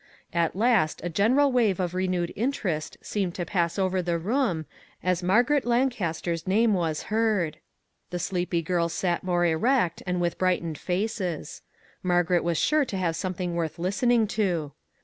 At last a general wave of renewed interest seemed to pass over the room as Margaret Lancaster's name was heard. The sleepy girls sat more erect and with brightened faces ; Margaret was sure to have something worth listening to.